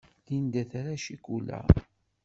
Linda tra ccikula.